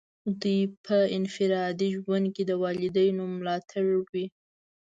دوی په انفرادي ژوند کې د والدینو ملاتړ وي.